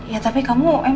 ya tapi kamu emang